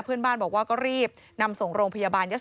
เพื่อนบ้านบอกว่าก็รีบนำส่งโรงพยาบาลยะ